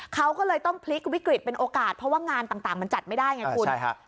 เขาก็เลยต้องพลิกวิกฤตเป็นโอกาสเพราะว่างานต่างมันจัดไม่ได้ไงคุณ